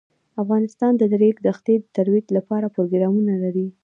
افغانستان د د ریګ دښتې د ترویج لپاره پروګرامونه لري.